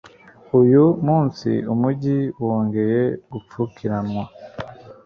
Uyu munsi umujyi wongeye gupfukiranwa